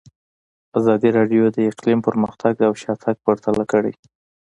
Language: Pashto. ازادي راډیو د اقلیم پرمختګ او شاتګ پرتله کړی.